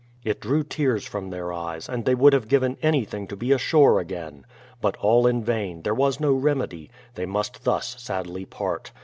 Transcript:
It drew tears from their eyes, and they would have given anything to be ashore again. But all in vain, there was no remedy; they must thus sadly part.